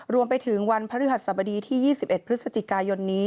รวมไปถึงวันพฤหัสสบดีที่๒๑พฤศจิกายนนี้